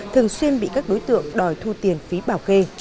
thường xuyên bị các đối tượng đòi thu tiền phí bảo kê